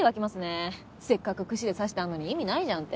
せっかく串で刺してあるのに意味ないじゃんって。